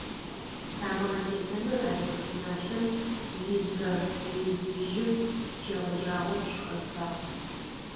Тамыгъэ тедзэныр адыгэ чӏыналъэм ижърэ-ижъыжьым щегъэжьагъэу щыхэбзагъ.